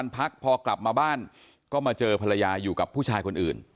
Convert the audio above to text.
พักพอกลับมาบ้านก็มาเจอภรรยาอยู่กับผู้ชายคนอื่น